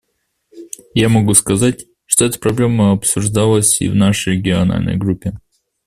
И я могу сказать, что эта проблема обсуждалась и в нашей региональной группе.